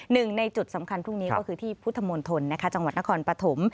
หนึ่งในจุดสำคัญพรุ่งนี้ก็คือที่พุทธมณฑลจังหวัดนครปฐม